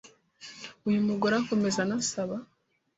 Uyu mugore akomeza anasaba